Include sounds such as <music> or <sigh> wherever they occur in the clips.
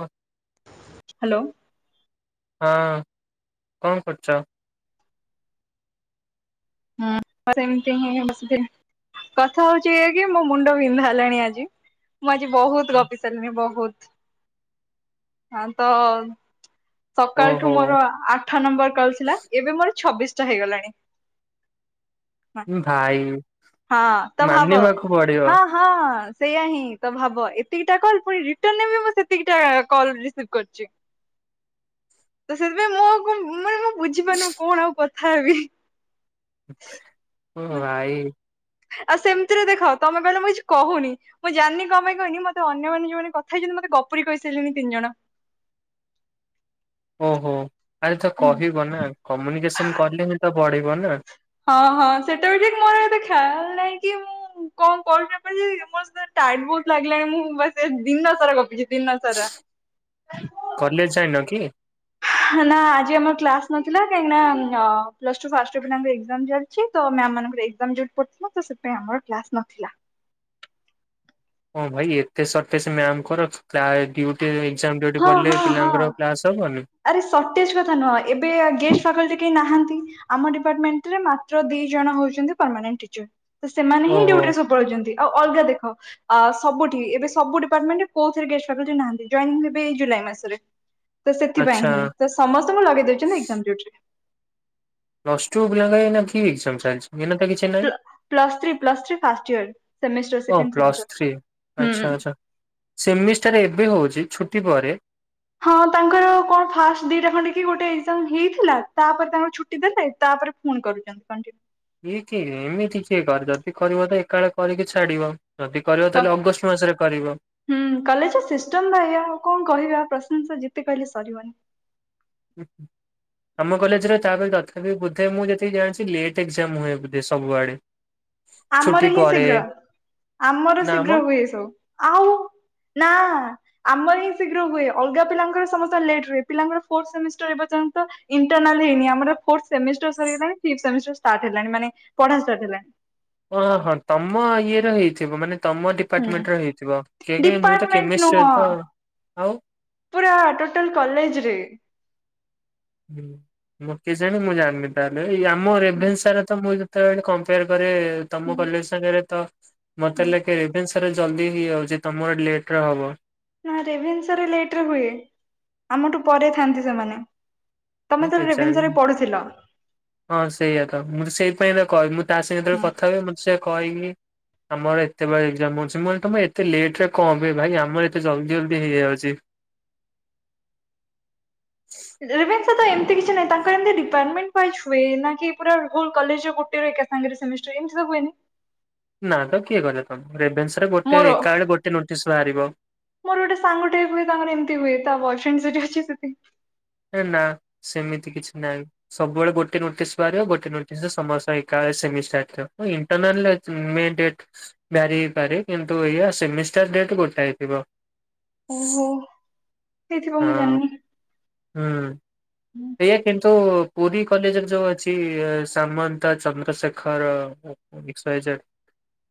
ହଁ। ହ୍ୟାଲୋ। ହଁ, କଣ କରୁଛ? ହୁଁ, ଘରେ ଏମିତି ହିଁ ବସିଥିଲି। କଥା ହଉଛି ଏଇଆ କି ମୋ ମୁଣ୍ଡ ବିନ୍ଧା ହେଲାଣି ଆଜି। ମୁଁ ଆଜି ବହୁତ ଗପି ସାରିଲିଣି ବହୁତ। ହଁ ତ ଓହୋ ସକାଳଠୁ ମୋର ଆଠ ନମ୍ବର କଲ ଥିଲା। ଏବେ ମୋର ଛବିଶଟା ହେଇଗଲାଣି। ଭାଇ ହଁ, ତ ଭାବ, ମାନିବାକୁ ପଡିବ ହଁ ହଁ ସେଇୟା ହିଁ ତ ଭାବ ଏତିକିଟା କଲ ପୁଣି ରିଟନରେ ବି ମୁଁ ସେତିକି ଟା କଲ ରିସିଭ୍ କରିଛି। ତ ସେଥିପାଇଁ ମୁଁ ଆଉ କଣ ମାନେ କଣ ବୁଝିପାରୁନୁ କଣ ଆଉ କଥା ହେବି? ଓ ଭାଇ ଆଉ ସେମିତିରେ ଦେଖ ତମେ କହିଲ ମୁଁ କିଛି କହୁନି ମୁଁ ଜାଣିନି କଣ ପାଇଁ କହିନି ମତେ ଅନ୍ୟମାନେ ଯୋଉମାନେ କଥା ହେଇଛନ୍ତି। ମତେ ଗପୁରି କହିସାଇଲେଣି ତିନି ଜଣ। ଓହୋ ଆରେ ତ କହିବ ନା। କମ୍ୟୁନିକେସନ କରିଲେ ହିଁ ତ ବଢିବ ନା ହଁ ହଁ ସେଟା ବି ଠିକ୍, ମୋର ଏତେ ଖ୍ୟାଲ୍ ନାହିଁ କି ମୁଁ କଣ କହିବି <unintelligible> ମୋତ ଟାଇମ୍ ବହୁତ ଲାଗିଲାଣି, ମୁଁ ବା ସେ ଦିନ ସାରା ଗପିଛି ଦିନ ସାରା କଲେଜ୍ ଯାଇନ କି? ନା ଆଜି ଆମର କ୍ଲାସ ନଥିଲା, କାହିଁକିନା ଅ ପ୍ଲସ ଟୁ ଫାଷ୍ଟ ୟିଅର୍ ପିଲାଙ୍କ ଏଗ୍ଜାମ୍ ଚା ଅଛି ତ ମ୍ୟାମ୍ ମାନଙ୍କର ଏଗ୍ଜାମ୍ ଡ୍ୟୁଟି ପଡିଥିଲା ତ ସେଥିପାଇଁ ଆମର କ୍ଲାସ ନଥିଲା ହଁ ଭାଇ ଏତେ ସର୍ଟେଜ୍ ମ୍ୟାମ୍ ଙ୍କର କା ଡ୍ୟୁ କି ଏଗ୍ଜାମ୍ ଡ୍ୟୁଟି ହଁ ପଡିଲେ, ହଁ ହଁ। ପିଲାଙ୍କର କ୍ଲାସ ହବନି ଆରେ ସଟେଜ କଥା ନୁହଁ ଏବେ ଗେଷ୍ଟ ଫାକଲ୍ଟି କେହି ନାହାନ୍ତି ଆମ ଡିପାର୍ଟମେଣ୍ଟ ରେ ମାତ୍ର ଦି ଜଣ ହଉଛନ୍ତି ପରମାନେଣ୍ଟ ଟିଚର ତ ସେମାନେ ହିଁ ଓହୋ ଡିଉଟିରେ ସବୁବେଳେ ରହୁଛନ୍ତି ଆଉ ଅଲଗା ଦେଖ ସବୁଠି ଏବେ ସବୁଡିପାର୍ଟମେଣ୍ଟ କୋଉ ଥିରେ ଗେଷ୍ଟତାବିଲିଟି ନାହାନ୍ତି ଜୋଇନିଙ୍ଗ ଇ ହି ଜୁଲାଇ ମାସରେ ତ ସେଥିପାଇଁ ଆଚ୍ଛା। ହିଁ ତ ସମସ୍ତଙ୍କୁ ଲଗେଇ ଦଉଛନ୍ତିରେ ଲଗେଇ ଦେଉଛନ୍ତି ଏକ୍ଜାମ ଡିଉଟି ରେ। ପ୍ଲସ ଟ୍ୱ ପିଲାଙ୍କର ଏ ନିକା କି ଏକ୍ଜାମ ଚାଲିଛି? ଏ ନିକା ତ କିଛି ନାହିଁ। ପ୍ଲ three plus three first year semester ଓ ସେକଣ୍ଡ ପ୍ଲସ ସେମିଷ୍ଟର ଥ୍ରୀ। ହୁଁ ଆଚ୍ଛା ଆଚ୍ଛା ସେମିଷ୍ଟାର ଏବେ ହଉଛି ଛୁଟି ପରେ ହଁ ତାଙ୍କର କଣ ଫାଷ୍ଟ ଦିଟା ଖଣ୍ଡେ କି ଗୋଟେ ଏଜାମ ହେଇଥିଲା ତାପରେ ତାଙ୍କର ଛୁଟି ଦେଲେ ତାପରେ ଫୋନ୍ କଲେ କଣ୍ <unintelligible> ଇଏ କି ଏମିତି କିଏ କରେ ଯଦି କରିବ ତ ଏକା ବେଳେକରିକି ଛାଡିବ ଯଦି କରିବ ତାହେଲେ ଅଗଷ୍ଟ ମାସରେ କରିବ ହୁଁ କଲେଜ ସିଷ୍ଟମ ବା ଏଆଉ କଣ କହିବା ପ୍ରଶଂସା ଯେତେ କହିଲେ ସରିବନି ହୁଁ ଆମ କଲେଜରେ ତାପ ତଥାପି ବୁଧେ ମୁଁ ଯେତିକି ଜାଣିଛି ଲେଟ୍ ଏକ୍ଜାମ ହୁଏ ବୁଧେ ସବୁଆଡେ ଛୁଟି ଆମର ହିଁ ପରେ ଶୀଘ୍ର ଆମର ନାମ ଶୀଘ୍ର ହୁଏ ସବୁ ଆଉ ନା ଆମର ହିଁ ଶୀଘ୍ର ହୁଏ ଅଲଗା ପିଲାଙ୍କର ସମସ୍ତେ ଲେଟ୍ ରୁହେ ପିଲାଙ୍କର ଫୋର୍ଥ ସେମିଷ୍ଟର ଏର୍ଯ୍ୟନ୍ତ ଇଣ୍ଟରନାଲ ହେଇନି ଆମର ଫୋର୍ଥ ସେମିଷ୍ଟାର ସରିଗଲାଣି ଫିଫ୍ଟସେମିଷ୍ଟାର ଷ୍ଟାର୍ଟ ହେଲାଣି ମାନେ ପଢା ସରିଗଲାଣି ଓ ହଁ ତମ ଇଏ ର ହେଇଥିବ ମାନେ ତମ ହୁଁ ଦିପାର୍ଟମେଣ୍ଟ ହେଇଥିବ କେଜାଣି ମୁଁ ତ ଡିପାର୍ଟମେଣ୍ଟ ନୁହଁ କେମିଷ୍ଟ୍ରି ତ ଆଉ ପୁରା ଟୋଟାଲ କଲେଜ ରେ ମୁଁ କି ଜାଣ ମୁଁ ଜାଣିନି ତାହେଲେ ଏଇ ଆମ ହୁଁ ରେଭେସ୍ବା ରେ ତ ମୁଁ ତ ଏଠି କମ୍ପେୟାର କରେ ତମ କଲେଜ ସାଙ୍ଗରେ ତ ହୁଁ ମତେ ଲାଗେ ରେଭେଶ୍ଵା ରେ ଜଲ୍ଦି ହେଇଯାଉଛି ତମର ଲେଟରେ ହବ ନା ରେଭେଶ୍ଵା ରେ ଲେଟରେ ହୁଏ ଆମଠୁ ପରେ ଥାନ୍ତି ସେମାନେ ତମେ ତ କେଜାଣି ରେଭେନ୍ସାରେ ପଢୁଥିଲ। ହଁ ସେଇଆ ତ ମୁଁ ସେଇଥିପାଇଁ ତ କହେ ମୁ ତା ସହିତ ଯେତେବେଳେ ହୁଁ କଥାହୁଏ ମତେ ସେ କହିକି ଆମର ଏତେବେଳେ ଏକ୍ଜାମ ହେଉଛି ମୁଁ କହିଲି ତମର ଏତେ ଲେଟରେ କଣ ପାଇଁ ଭାଇ ଆମର ଏତେ ଜଲଦି ଜଲ୍ଦି ହେଇଯାଉଛି ରେଭେଶ୍ଵା ତ ଏମିତି କିଛି ନାହିଁ ତାଙ୍କର ଏମିତି ଡିପାର୍ଟମେଣ୍ଟ ୱାଇଜ୍ ହୁଏ ନା କି ପୁରା ହୋଲ କଲେଜର ଗୋଟେର ଏକ ସାଙ୍ଗରେ ସେମିଷ୍ଟର ଏମିତି ତ ହୁଏନି ନା ତ କିଏ କହିଲା ତମକୁ ରେଭେନ୍ସ ରେ ଗୋଟେ ମୋର ଏକା ବଳେ ଗୋଟେ ନୋଟିସ୍ ବାହାରିବ ମୋର ଗୋଟେ ସାଙ୍ଗଟେ କୁହେ ତାଙ୍କର ଏମତି ହୁଏ ତା ବୟଫ୍ରେଣ୍ଡ ସେଠି ଅଛି ସେଥିପାଇଁ ଏ ନାଁ ସେମିତି କିଛି ନାହିଁ ସବୁବେଳେ ଗୋଟେ ନୋଟିସ ବାହାରିବ ଗୋଟେ ନୋଟିସ ରେ ସମସ୍ତ ଏକାବେଳେ ସେମିଷ୍ଟାର ଏତେରକ ଇଁ। ଇଣ୍ଟେରନାଲ ରେ ମେ ଡେଟ ବାରି ହେଇପାରେ କିନ୍ତୁ ଏଇଆ ସେମିଷ୍ଟାର ଡେଟ ଗୋଟେ ହେଇଥିବ ଓହୋ ହେଇଥିବ ମୁଁ ହଁ ଜାଣିନି। ହୁଁ <inaudible> ଇଏ କିନ୍ତୁ ପୁରୀ କଲେଜରେ ଯୋଉ ଅଛି Samanta Chandrasekhar X Y Z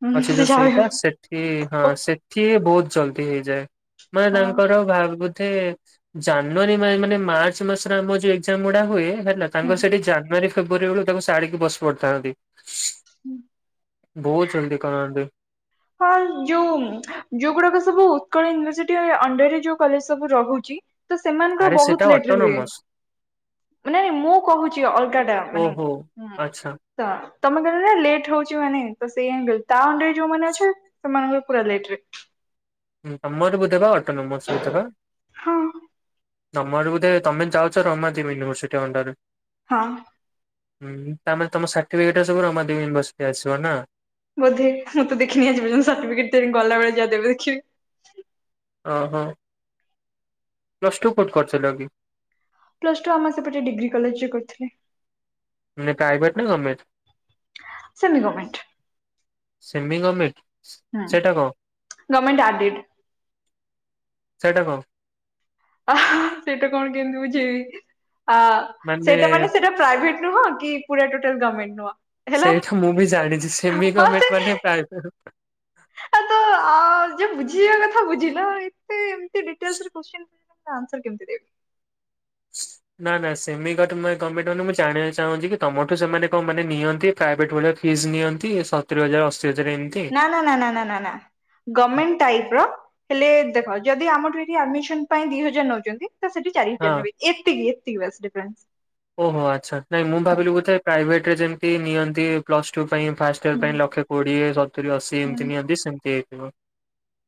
ହୁଁ ଅଛି ସେ ଯୋଉ ଯାହା ବି ସେଇଟା ସେ ସେ ହଁ ହଉ ସେଠି ବହୁତ ଜଲ୍ଦି ହେଇଯାଏ ମାନେ ହଁ ତାଙ୍କର ଭା ହେ ଜାନୁଆରୀ ମା ମାନେ ମାର୍ଚ୍ଚ ମାସରେ ଆମର ଯଉ ଏକ୍ଜାମ ଗୁଡା ହୁଏ ହେଲା ତାଙ୍କର ସେଠି ହୁଁ। ଜାନୁଆରୀ ଫେବୃୟାରୀ ବେଳୁ ତାକୁ ସାଡିକି ବସି ପଡିଥାନ୍ତି। ହୁଁ। ବହୁତ୍ ଜଲ୍ଦି କରନ୍ତି। ହଁ ଜୁମ୍ ଯୋଉ ଗୁଡ଼ାକ ସବୁ ଉତ୍କଳ ୟୁନିଭରସିଟି ଅଣ୍ଡରରେ ଯୋଉ କଲେଜ ସବୁ ରହୁଚି। ତ ଆରେ ସେମାନଙ୍କର ସେଟା ବହୁତ ଲେଟ୍ ରେ ହୁଏ। ଅଟୋନମସ୍ ମାନେ ମୁଁ କହୁଛି ଅଲଗା ଟା ମାନେ ଓହୋ ହୁଁ। ଆଚ୍ଛା। ତ ତମେ କହିଲ ନା ଲେଟ୍ ହଉଚ ମାନେ ତ ସେଇଆ ହିଁ କହିଲି ତା ଅଣ୍ଡରେ ଯୋଉ ମାନେ ଅଛ୍ ଛି ସେମାନଙ୍କ ପୁରା ଲେଟ୍ ରେ। ତମର ବୋଧେ ପା ଅଟୋନମସ୍ ହୁ ଥିବ। ହଁ ତମ ଆଡୁ ବୋଧେ ତମେ ଚାହୁଁଚ ରମାଦେବୀ ୟୁନଭରସିଟି ଅଣ୍ଡରେ। ହଁ। ହୁଁ ତା ମାନେ ତମ ସାର୍ଟିଫିକେଟ ଟା ସବୁ ରମାଦେବୀ ୟୁନଭରସିଟି ଆସିବ ନା? ବୋଧେ ମୁଁ ତ ଦେଖିନି ଆଜି ପର୍ଯ୍ୟନ୍ତ ସାର୍ଟିଫିକେଟ ତେଣିକି ଗଲାବେଳେ ଯା ଦେବେ ଦେଖିବି। ଅ ହଁ। ପ୍ଲସ୍ ଟୁ କୋଉଠି କରୁଥିଲ କି? ପ୍ଲସ ଟୁ ଆମ ସେପଟେ ଡିଗ୍ରୀ କଲେଜରେ କରିଥିଲି। ମାନେ ପ୍ରାଇଭେଟ୍ ନା government? Semi government. Semi government? ହୁଁ ଗମେଣ୍ଟ ଆଡିଟ୍। ସେଇଟା କଣ? ଆହା ସେଇଟା କଣ କେମିତି ବୁଝେଇବି? ଆ ସେଇଟା ମାନେ ସେଇଟା ପ୍ରାଇଭେଟ ନୁହଁ କି ପୁରା ଟୋଟଲ ଗର୍ମେଣ୍ଟ ନୁହଁ। ହେଲା। ସେଇଟା ମୁଁ ବି ଜାଣିଛି। ସେମି ହଁ ସେ ଗର୍ମେଣ୍ଟ ମାନେ ପ୍ରାଇଭେଟ୍ ଆ ତ ଅ ଯିଏ ବୁଝିବା କଥା ବୁଝିଲ ଏତେ ଏମିତି ଡିଟେଲସ୍ ରେ କୋଶ୍ଚିନ ତା ଆନ୍ସର କେମିତି ଦେବି? ନା ନା ସେମି ଗଟ ମା ଗମେଣ୍ଟ ମାନେ ମୁଁ ଜାଣିବା ଚାହୁଁଛି କି ତମଠୁ ସେମାନେ କଣ ମାନେ ନିଅନ୍ତି? ପ୍ରାଇଭେଟ୍ ଭଳିଆ ଫିସ ନିଅନ୍ତି ସତୁରି ହଜାର ଅଶୀ ହଜାର ଏମିତି। ନ ନା ନା ନା ନା ନା ନା ଗଭର୍ମେଣ୍ଟ ଟାଇପ୍ ର ହେଲେ ଦେଖ ଯଦି ଆମଠୁ ଏଠି ଆଡ଼ମିଶନ ପାଇଁ ଦି ହଜାର ନଉଛନ୍ତି। ତ ସେଠି ଚାରି ହଜାର ହଁ ନେବେ ଏତିକି, ଏତିକି ବାସ୍ ଡିଫ୍ରେନ୍ସ। ଓହୋ ଆଚ୍ଛା। ନାଇଁ ମୁଁ ଭାବିଲି ବୋଧେ ପ୍ରାଇଭେଟରେ ଯେମିତି ନିଅନ୍ତି ପ୍ଲସ ଟୁ ପାଇଁ ଫାଷ୍ଟ ଇୟର ହୁଁ ପାଇଁ ଲକ୍ଷେ କୋଡି଼ଏ ସତୁରି ଅଶୀ ହୁଁ ଏମିତି ନିଅନ୍ତି ସେମିତି ହେଇଥିବ।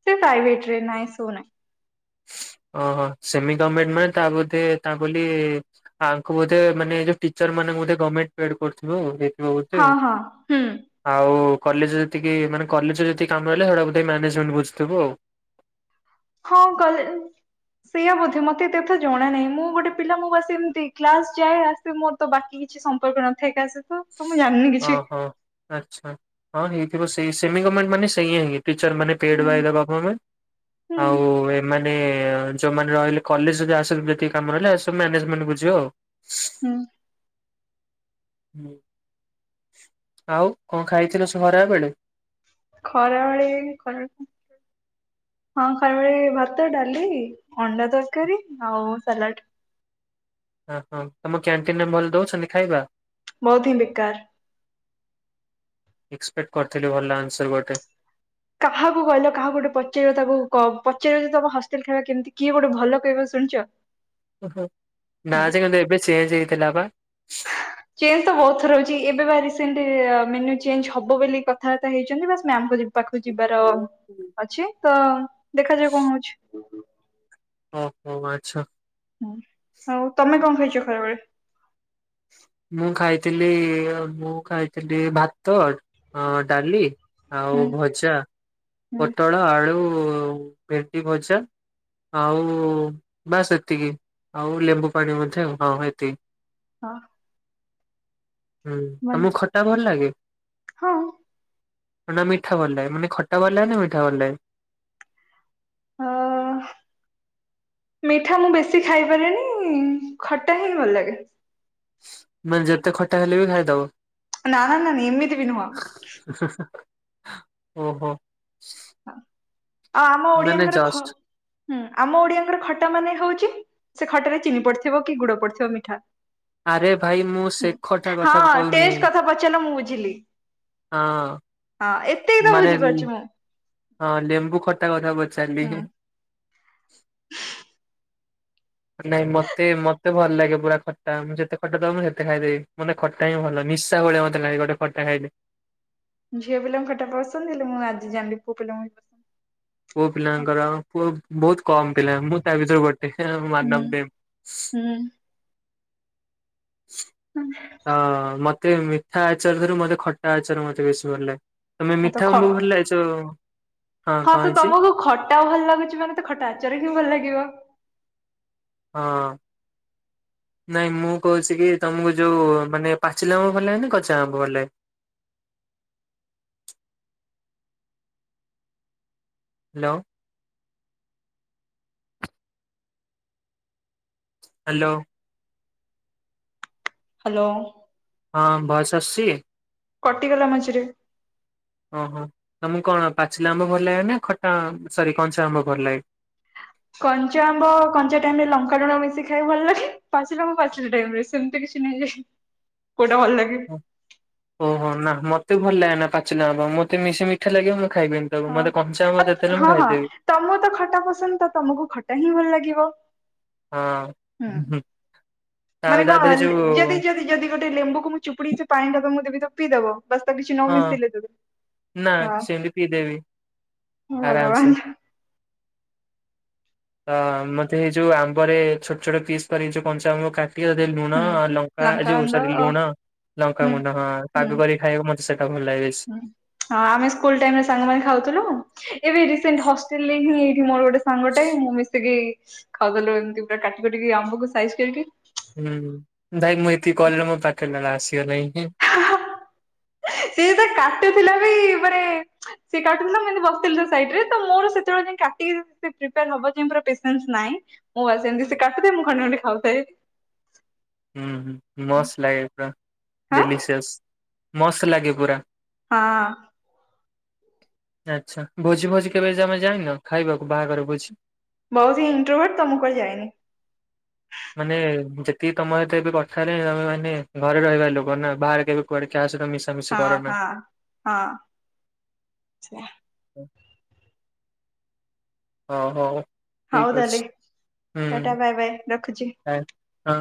ସେ ପ୍ରାଇଭେଟ ନାଁ ଏସବୁ ନାହିଁ। ଓହୋ ସେମି ଗର୍ମେଣ୍ଟ ମାନେ ତା ବୋଧେ ତା ବୋଲି ଆଙ୍କୁ ବୋଧେ ମାନେ ଯୋଉ ଟିଚର ମାନଙ୍କୁ ବୋଧେ ଗର୍ମେଣ୍ଟ ପେଡ୍ କରୁଥିବା ଆଉ। ହେ ହେଇଥିବ ବୋଧେ ହଁ ଆଉ। ହଁ ହୁଁ ଆଉ କଲେଜ ରେ ଯେତିକି ମାନେ କଲେଜ ରେ ଯେତିକି କାମ ହେଲେ ସେଗୁଡା ବୋଧେ ମ୍ୟାନେଜମେଣ୍ଟ ବୁଝୁଥିବ ଆଉ। ହଁ କଲେଜ ସେଇଆ ବୋଧେ ମତେ ଏତେ କଥା ଜଣା ନାହିଁ। ମୁଁ ଗୋଟେ ପିଲା ମୁଁ ବାସ୍ ଏମିତି କ୍ଲାସ ଯାଏ ଆସେ ମୋର ତ ବାକି କିଛି ସମ୍ପର୍କ ନଥାଏ କାହା ସହିତ। ତ ମୁଁ ଜାଣିନି କିଛି। ଓହୋ। ଆଚ୍ଛା ହଁ ହେଇଥିବ ସେଇ ସେମି ଗର୍ମେଣ୍ଟ ମାନେ ସେଇଆ ହିଁ ଟିଚର ମାନେ ପେଡ୍ ହୁଁ ବଇ ଦେବାକୁ ଆମେ। ହୁଁ ଆଉ ମାନେ ଯୋଉମାନେ ରହିଲେ କଲେଜ ରେ ଆଉ ସବୁ ତିକ କାମ ରହିଲା ଏ ସବୁ ମାନେଜମାନେ ବୁଛିବ ଆଉ। ହୁଁ ହୁଁ। ଆଉ କଣ ଖାଇଥିଲୁ ସ ଖରା ବେଳେ ଖରାବେଳେ କଣ ହଁ ଖରାବେଳେ ଭାତ ଡାଲି ଅଣ୍ଡା ତରକାରୀ ଆଉ ସାଲାଡ଼ ଓ ହଁ ତମ କ୍ୟାଣ୍ଟିନ ରେ ଭଲ ଦଉଛନ୍ତି ଖାଇବା ବହୁତ ହିଁ ବେକାର ଏକ୍ସପେକ୍ଟ କରିଥିଲୁ ଭଲ ଆନ୍ସର ଗୋଟେ କାହାକୁ କହିଲ କାହାକୁ ଗୋଟେ ପଚାରିବ ତାକୁ ପଚାରିବ ଯେ ତମ ହଷ୍ଟେଲ ଖାଇବା କେମିତି କିଏ ଗୋଟେ ଭଲ କହିବ ଶୁଣିଛ ଓହୋ ନା ସେ କିନ୍ତୁ ଏବେ ଚେଞ୍ଜ ହେଇଥିଲା ପା ଚେଞ୍ଜ ତ ବହୁତ ଥର ରହୁଛି ଏବେ ବା ରିସେଣ୍ଟ ମେନୁ ଚେଞ୍ଜ ହବ ବୋଲି କଥାବାର୍ତା ହେଇଛନ୍ତି ବାସ୍ ମ୍ୟାମ୍ କୁ ଯିବ ପାଖକୁ ଯିବାର ଅଛି ତ ଦେଖାଯାଉ କଣ ହଉଛି ହୁଁ ହୁଁ ହଁ ଓହୋ ଆଚ୍ଛା ହୁଁ ହଉ ତମେ କଣ ଖାଇଛ ଖରାବେଳେ ମୁଁ ଖାଇଥିଲି ମୁଁ ଖାଇଥିଲି ଭାତ ଡାଲି ଆଉ ହୁଁ ଭଜା ହୁଁ ପୋଟଳ ଆଳୁ ଭେଣ୍ଡି ଭଜା ଆଉ ଵାସ୍ ଏତିକି ଆଉ ଲେମ୍ବୁ ପାଣି ମଧ୍ୟ ହଁ ଏତିକି ହଁ ହୁଁ ଭଲ ତମକୁ ଖଟା ଭଲ ଲାଗେ ହଁ। ନା ମିଠା ଭଲ ଲାଗେ ମାନେ ଖଟା ଭଲ ଲାଗେ ନା ମିଠା ଭଲ ଲାଗେ ଅ ମିଠା ମୁଁ ବେଶୀ ଖାଇପାରେନି ଖଟା ହିଁ ଭଲ ଲାଗେ ମାନେ ଯେତେ ଖଟା ହେଲେ ବି ଖାଇଦବ ନାଁ ନାଁ ନାନି ଏମିତି ବି ନୁହଁ ଓହୋ ହଉ ଆଉ ଆମ ମାନେ ଓଡିଆଙ୍କର ଖ ଜଷ୍ଟ ହୁଁ ଆମ ଓଡିଆଙ୍କର ଖଟା ମାନେ ହଉଛି ସେ ଖଟାରେ ଚିନି ପଡିଥିବ କି ଗୁଡ ପଡିଥିବ ମିଠା ଆରେ ଭାଇ ମୁଁ ହୁଁ ସେ ଖଟା କଥା ହଁ କହୁନି ଟେଷ୍ଟ କଥା ପଚାରିଲ ମୁଁ ବୁଝିଲି ହଁ ହଁ ଏ ମାନେ ହଁ ଲେମ୍ବୁ ଖଟା କଥା ପଚାରିଲି ହୁଁ ନାଇଁ ମତେ ମତେ ଭଲ ଲାଗେ ପୁରା ଖଟା ମୁଁ ଯେତେ ଖଟା ଦବ ମୁଁ ସେତେ ଖାଇଦେବି ମତେ ଖ କାଇଁ ଭଲ ନିଶା ଭଳିଆ ମତେ ଲାଗେ ଗୋଟେ ଖଟା ଖାଇଲେ ଝିଅ ପିଲାଙ୍କୁ ଖଟା ପସନ୍ଦ ହେଲେ ମୁଁ ଆଜି ଯାଣିଲି ପୁଅ ପିଲାଙ୍କୁ ବି ପସ ପୁଅ ପିଲାଙ୍କର ପୁଅ ବହୁତ କମ ପିଲା ମୁଁ ତା ଭିତରୁ ଗୋଟେ ହୁଁ ମାନବ ଦେଵ ହୁଁ ହଁ ମତେ ମିଠା ଆଚାରରୁ ମତେ ଖଟା ଆଚାର ମତେ ବେଶୀ ଭଲ ଲାଗେ ତମେ ହଁ ତ ମିଠା ଖ ଆମ୍ବ ଭଲାଇଚ ହଁ ତ ତମକୁ ଖଟା ଭଲ ଲାଗୁଛି ମାନେ ତ ଖଟା ଆଚର ହିଁ ଭଲ ଲାଗିବ ହଁ ନାଇଁ ମୁଁ କହୁଛି କି ତମକୁ ଯୋଉ ମାନେ ପାଚିଲା ଆମ୍ବ ଭଲ ଲାଗେ ନା କଞ୍ଚା ଆମ୍ବ ଭଲ ଲାଗେ ହ୍ୟାଲୋ ହ୍ୟାଲୋ ହ୍ୟାଲୋ ହଁ ଭଏସ ଆସୁଛି କଟିଗଲା ମଝିରେ ଓହୋ ତମକୁ କଣ ପାଚିଲା ଆମ୍ବ ଭଲ ଲାଗେ ନା ଖଟା ସରି କଞ୍ଚା ଆମ୍ବ ଭଲ ଲାଗେ କଞ୍ଚା ଆମ୍ବ କଞ୍ଚା ଟାଇମ ରେ ଲଙ୍କା ଲୁଣ ମିଶି ଖାଇ ଭଲ ଲାଗେ ପାଚିଲ ଆମ୍ବ ପାଚିଲା ଟାଇମ ରେ ସେମିତି କିଛି ନାହିଁ ଯେ କୋଉଟା ଭଲ ଲାଗେ ଓହୋ ନା ମତେ ଭଲ ଲାଗେନା ପାଚିଲା ଆମ୍ବ ମତେ ବେଶୀ ମିଠା ଲାଗିବ ମୁଁ ତାକୁ ଖାଇବିିନି। ତାକୁ ହଁ ମତେ କଞ୍ଚା ଆମ୍ବ ଆଉ ଯେତେ ଦେଲେ ହଁ ମୁଁ ହଁ ଖାଇଦେବି। ତମକୁ ତ ଖଟା ପସନ୍ଦ ତ ତମକୁ ଖଟା ହିଁ ଭଲ ଲାଗିବ। ହୁଁ ଆଉ ମାନେ ତା କଣ ଦେହରେ ଯୋଉ ଯଦି ଯଦି- ଯଦି ଗୋଟେ ଲେମ୍ବୁକୁ ମୁଁ ଚୁପୁଡିକି ସେ ପାଣି ଉରା ମୁଁ ଦେବି ତମେ ପିଇଦବ। ବାସ୍ ତା କିଛି ହଁ ନମିଶିଲେ ଯଦି ନା ହଁ। ସେମିତି ପିଇଦେବି ଆରାମ ଭଗବାନ ସେ। ଅଁ ମତେ ଏ ଯୋଉ ଆମ୍ବରେ ଛୋଟ ଛୋଟ ପିସ୍ କରିକି ଯୋଉ କଞ୍ଚା ଆମ୍ବ କା କି ଯଦି ଲୁଣ ହୁଁ ଲଙ୍କା ଯୋଉ ଲଙ୍କାଗୁଣ୍ଡ ସରି ଓ ଲୁଣ ଲଙ୍କା ହୁଁ ଗୁଣ୍ଡ ହଁ ହୁଁ ପାଗ କରି ଖାଇବାକୁ ମ ସେଟା ଭଲ ଲାଗିଛି। ହୁଁ ହଁ ଆମେ ସ୍କୁଲ ଟାଇମରେ ସାଙ୍ଗମାନେ ଖାଉଥିଲୁ ଏବେ ରିସେଣ୍ଟ ହଷ୍ଟେଲରେ ହିଁ ଏଇଠି ମୋର ଗୋଟେ ସାଙ୍ଗଟେ ମୁଁ ମିଶିକି ଖାଉଥିଲୁ ଏମିତି ପୁରା କାଟି କାଟିକି ଆମ୍ବକୁ ସାଇଜି କରିକି। ହୁଁ ଭାଇ ମୁଁ ଏତିକି କହିଲି ମୋ ପାଖରେ ତାହେଲେ ଆସିବ ନାହିଁ କି। କରିକି ସିଏ ତ କାଟୁଥିଲା ବି ପରେ ସେ କାଟୁଥିଲା ମୁଁ ଏଇଠି ବସିଥିଲି ତା ସାଇଟିରେ ତ ମୋର ସେତେବେଳେ ଯାଏଁ କାଟିକି ଏତେ ପ୍ରିପାୟର ହବା ଯାଏ ପୁରା ପେଶେନ୍ସ ନାହଁ। ମୁଁ ଆସିବା ଯାଏ ସେ କାଟୁ ଥାଏ। ମୁଁ ଖଣ୍ଡେ ଖଣ୍ଡେ ଖାଉଥାଏ। ହୁଁ ମସ୍ତ ଲାଗେ ପୁରା ହଁ ଡେଲିସିଅସ୍ ମସ୍ତ ଲାଗେ ପୁରା। ହଁ ଆଚ୍ଛା ଭୋଜି ଭୋଜି କେବେ ଜମା ଯାଇନ ଖାଇବାକୁ ବାହାଘର ଭୋଜି। ବହୁତ ଇଣ୍ଟୁଭେର୍ଟ ତ ମୁଁ କୁଆଡ଼େ ଯାଏନି। ମାନେ ଯେତିକି ତମ ସହିତ ଏବେ କଥା ହେଲିଣି ତମେ ମାନେ ଘରେ ରହିବ ଲୋକ ନା ବାହାରେ କେବେ କୁଆଡ଼େ କାହା ସହିତ ମିଶି ହଁ ହଁ ହଁ ହ ଓ ହଉ ହଉ ଠିକ୍ ଅଛି। ତାହେଲେ ହୁଁ ଟାଟା ବାଏ ବାଏ ରଖୁଛି। ଆଁ ହଁ